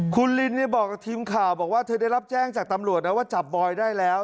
คุณลินบอกกับทีมข่าวบอกว่าเธอได้รับแจ้งจากตำรวจนะว่าจับบอยได้แล้ว